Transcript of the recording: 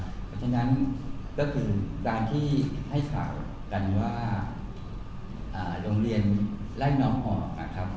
เพราะฉะนั้นก็คือการที่ให้ข่าวกันว่าโรงเรียนไล่น้องออกนะครับ